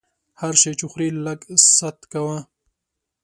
هر شی چې خورې لږ ست کوه!